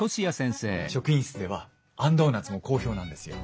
職員室ではあんドーナツも好評なんですよ。